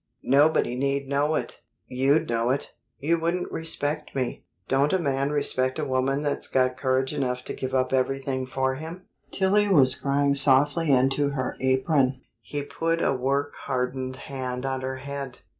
Nobody need know it." "You'd know it. You wouldn't respect me." "Don't a man respect a woman that's got courage enough to give up everything for him?" Tillie was crying softly into her apron. He put a work hardened hand on her head.